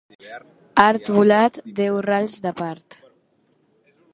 Art volat, deu rals de part.